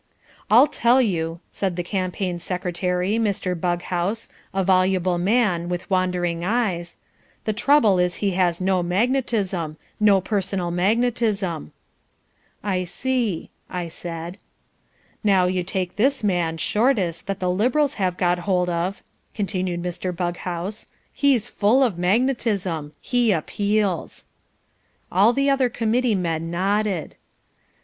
"I'll tell you," said the Campaign secretary, Mr. Bughouse, a voluble man, with wandering eyes "the trouble is he has no magnetism, no personal magnetism." "I see," I said. "Now, you take this man, Shortis, that the Liberals have got hold of," continued Mr. Bughouse, "he's full of MAGNETISM. He appeals." All the other Committee men nodded.